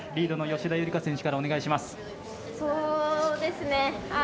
リードの吉田夕梨花選手からお願いします。